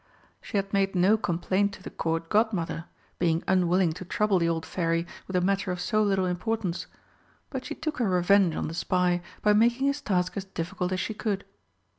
She had made no complaint to the Court Godmother, being unwilling to trouble the old Fairy with a matter of so little importance. But she took her revenge on the spy by making his task as difficult as she could.